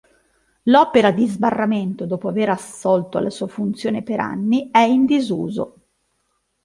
L'opera di sbarramento dopo aver assolto alla sua funzione per anni, è in disuso.